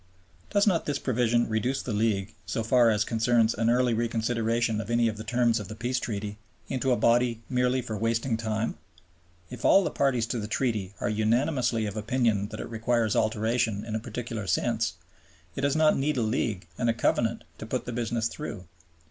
Does not this provision reduce the League, so far as concerns an early reconsideration of any of the terms of the Peace Treaty, into a body merely for wasting time? If all the parties to the Treaty are unanimously of opinion that it requires alteration in a particular sense, it does not need a League and a Covenant to put the business through.